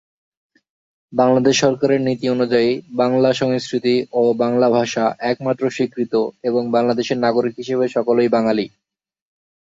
বাংলাদেশ সরকারের নীতি অনুযায়ী, বাংলা সংস্কৃতি ও বাংলা ভাষা একমাত্র স্বীকৃত এবং বাংলাদেশের নাগরিক হিসেবে সকলেই বাঙালি।